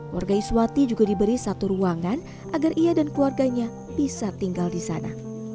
warga iswati juga diberi satu ruangan agar ia dan keluarganya bisa tinggal di sana